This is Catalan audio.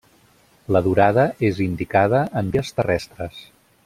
La durada és indicada en dies terrestres.